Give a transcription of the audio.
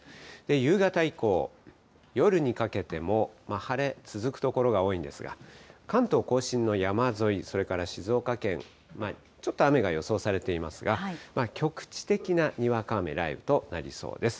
夕方以降、夜にかけても晴れ、続く所が多いんですが、関東甲信の山沿い、それから静岡県、ちょっと雨が予想されていますが、局地的なにわか雨、雷雨となりそうです。